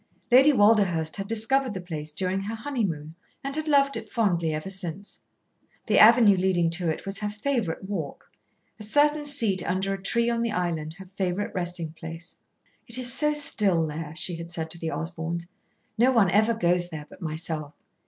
Lady Walderhurst had discovered the place during her honeymoon, and had loved it fondly ever since. The avenue leading to it was her favourite walk; a certain seat under a tree on the island her favourite resting place. "It is so still there," she had said to the Osborns. "No one ever goes there but myself.